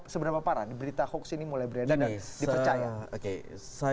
seberapa parah berita hoax ini mulai beredar dan dipercaya